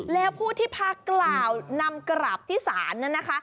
แล้วผู้ที่พากล่าวนำกราบที่ศาลนั้นนะคะ